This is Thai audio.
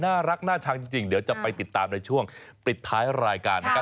น่ารักน่าชังจริงเดี๋ยวจะไปติดตามในช่วงปิดท้ายรายการนะครับ